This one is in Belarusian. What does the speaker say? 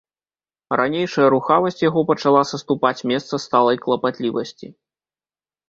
Ранейшая рухавасць яго пачала саступаць месца сталай клапатлівасці.